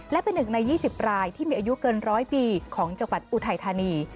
และเป็นหนึ่งใน๒๐รายที่มีอายุเกินร้อยปีของจังหวัดอุทัยธานี